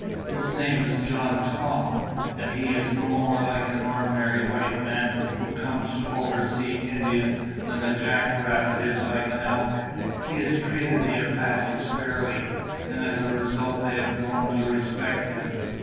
His name is John Clum, and he is no more like the ordinary white man who comes to oversee Indians than a jack rabbit is like an elk. He has treated the Apaches fairly, and as a result they have grown to respect him.